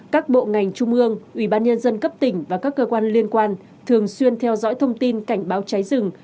các bộ ngành trung ương ubnd cấp tỉnh và các cơ quan liên quan thường xuyên theo dõi thông tin cảnh báo cháy rừng